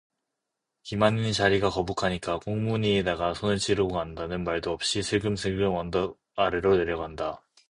기만이는 자리가 거북하니까 꽁무니에다가 손을 찌르고 간다는 말도 없이 슬금슬금 언덕 아래로 내려간다.